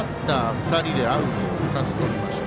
２人でアウトを２つとりました。